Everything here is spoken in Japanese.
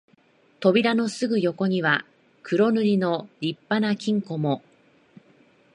扉のすぐ横には黒塗りの立派な金庫も、